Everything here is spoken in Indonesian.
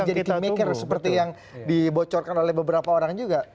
jadi key maker seperti yang dibocorkan oleh beberapa orang juga